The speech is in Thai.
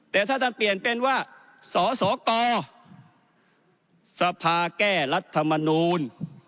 แต่ถ้าท่านเปลี่ยนเป็นว่าสสกสภาแก้รัฐมนูล